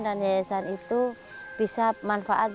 dan yayasan itu bisa bermanfaat